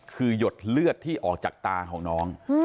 คือหยดเลือดที่ออกจากตาของน้อง